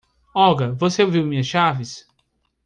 Olga, você viu minhas chaves?